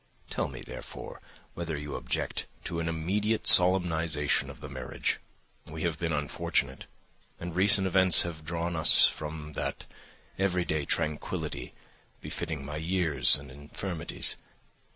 Tell me, therefore, whether you object to an immediate solemnisation of the marriage. We have been unfortunate, and recent events have drawn us from that everyday tranquillity befitting my years and infirmities.